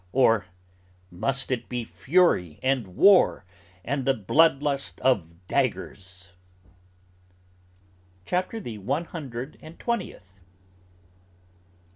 Or must it be fury and war and the blood lust of daggers?" CHAPTER THE ONE HUNDRED AND TWENTIETH.